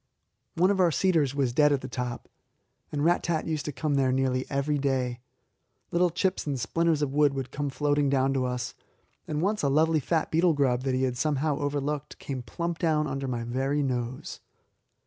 One of our cedars was dead at the top, and Rat tat used to come there nearly every day. Little chips and splinters of wood would come floating down to us, and once a lovely fat beetle grub that he had somehow overlooked came plump down under my very nose.